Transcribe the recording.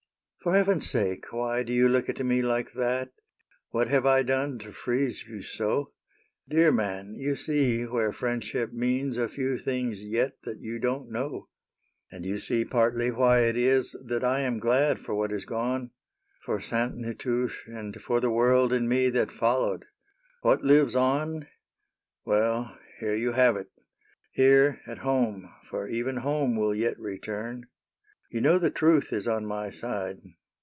For heaven's sake, '' Why do you look at me like that ? What have I done to freeze you so ? Dear man, you see where friendship means A few things yet that you don't know ;" And you see partly why it is That I am glad for what is gone : For Sainte Nitouche and for the world In me that followed. What lives on —'' Well, here you have it : here at home — For even home will yet return. You know the truth is on my side.